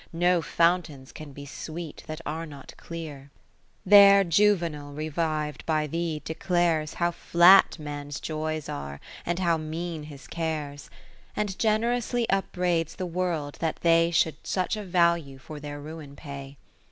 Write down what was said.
No Fountains can be sweet that are not clear. (533) There Juvenal reviv'd by thee declares How flat Man's joys are, and how mean his cares ; And generously upbraids the World that they Should such a value for their ruin pay.